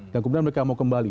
dan kemudian mereka mau kembali